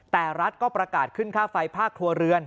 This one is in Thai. แต่รัฐก็ประกาศขึ้นค่าไฟภาคครัวเรือน